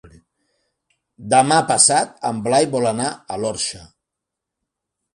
Demà passat en Blai vol anar a l'Orxa.